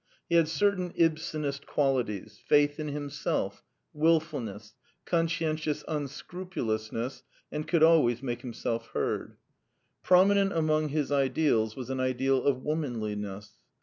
He had certain Ibsenist qualities: faith in himself, wilfulness, conscientious unscrupulousness, and could always make himself heard. Prominent among his ideals Was an ideal of womanliness.